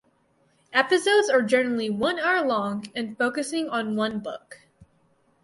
Episodes are generally one hour long and focusing on one book.